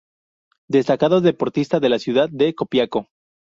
Destacado deportista de la ciudad de Copiapó.